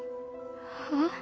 はあ？